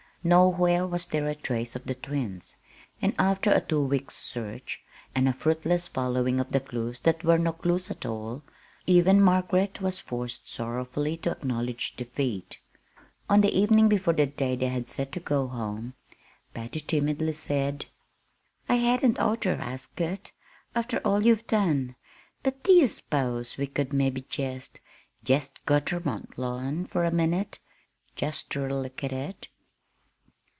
Nowhere was there a trace of the twins; and after a two weeks' search, and a fruitless following of clews that were no clews at all, even Margaret was forced sorrowfully to acknowledge defeat. On the evening before the day they had set to go home, Patty timidly said: "I hadn't oughter ask it, after all you've done; but do ye s'pose could we mebbe jest jest go ter Mont Lawn fur a minute, jest ter look at it?"